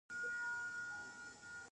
دا میلې کلتوري ارزښت لري.